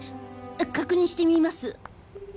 確認してみます。